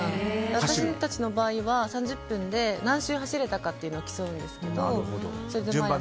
私たちの場合は３０分で何周走れたかを競うんですけど。